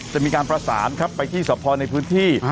จะมีการประสานครับไปที่สะพอในพื้นที่